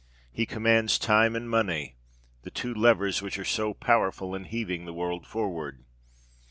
He commands time and money, the two levers which are so powerful in heaving the world forward.